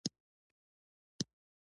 شريف په يو خېز په څانګه نېغ کېناست.